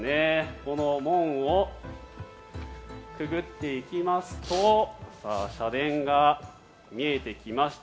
この門をくぐっていきますと社殿が見えてきました。